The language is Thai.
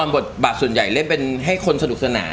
บทบาทส่วนใหญ่เล่นเป็นให้คนสนุกสนาน